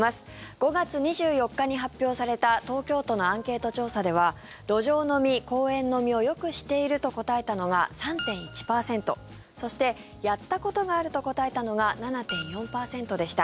５月２４日に発表された東京都のアンケート調査では路上飲み、公園飲みをよくしていると答えたのが３．１％そして、やったことがあると答えたのが７．４％でした。